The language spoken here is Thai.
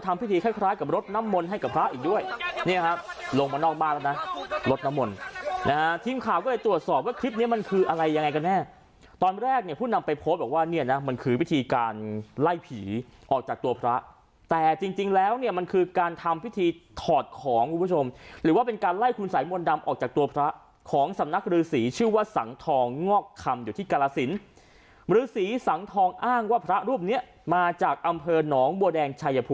ก็ทำพิธีคล้ายกับรดน้ำมนต์ให้กับพระอีกด้วยเนี่ยฮะลงมานอกบ้านแล้วนะรถน้ำมนต์ทีมข่าวก็ได้ตรวจสอบว่าคลิปนี้มันคืออะไรยังไงกันแน่ตอนแรกพี่นำไปโพสต์บอกว่ามันคือพิธีการไล่ผีออกจากตัวพระแต่จริงแล้วมันคือการทำพิธีถอดของลูกผู้ชมหรือว่าเป